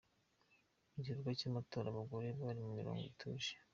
Mu gikorwa cy’amatora abagore bari ku mirongo batuje.